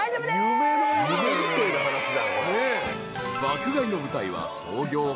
［爆買いの舞台は創業８０年。